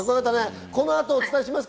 この後、お伝えします。